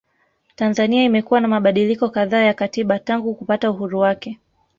Tanzania imekuwa na mabadiliko kadhaa ya katiba tangu kupata uhuru wake